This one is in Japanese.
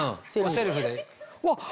セルフで。